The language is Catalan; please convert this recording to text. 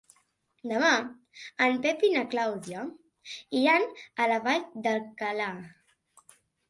Demà en Pep i na Clàudia iran a la Vall d'Alcalà.